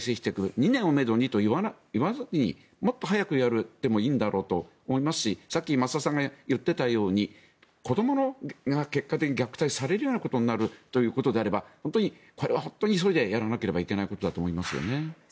２年をめどにと言わずにもっと早くやってもいいんだろうと思いますしさっき増田さんが言っていたように子どもが結果的に虐待されるようなことになるのであればこれは本当に急いでやらなきゃいけないことだと思いますよね。